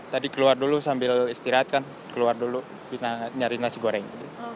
tadi keluar dulu sambil istirahat kan keluar dulu nyari nasi goreng